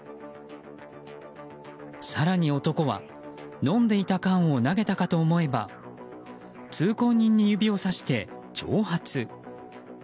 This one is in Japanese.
更に男は、飲んでいた缶を投げたかと思えば通行人に指をさして挑発。